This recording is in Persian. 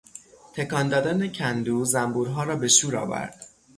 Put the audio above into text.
تکان دادن کندو زنبورها را به شور آورد.